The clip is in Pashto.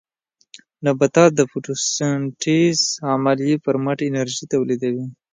نباتات د فوټوسنټیز عملیې پرمټ انرژي تولیدوي.